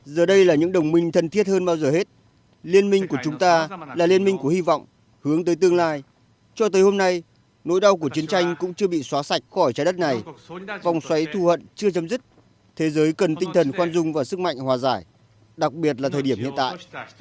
giờ đây là những đồng minh thân thiết hơn bao giờ hết liên minh của chúng ta là liên minh của hy vọng hướng tới tương lai cho tới hôm nay nỗi đau của chiến tranh cũng chưa bị xóa sạch khỏi trái đất này vòng xoáy thù hận chưa chấm dứt thế giới cần tinh thần khoan dung và sức mạnh hòa giải đặc biệt là thời điểm hiện tại